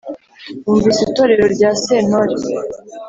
wumvise itorero rya sentore